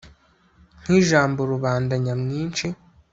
Nk ijambo rubanda nyamwinshi